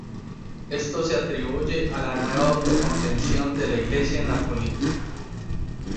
Esto se atribuye a la nueva auto-contención de la Iglesia en la política.